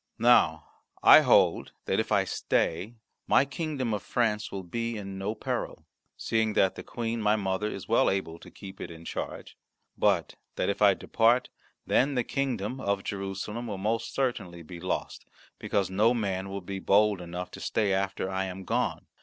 Now I hold that if I stay, my kingdom of France will be in no peril, seeing that the Queen, my mother, is well able to keep it in charge; but that if I depart, then the kingdom of Jerusalem will most certainly be lost, because no man will be bold enough to stay after I am gone.